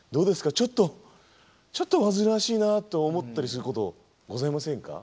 ちょっとちょっと煩わしいなと思ったりすることございませんか？